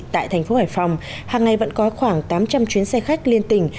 tại thành phố hải phòng hàng ngày vẫn có khoảng tám trăm linh chuyến xe khách liên tỉnh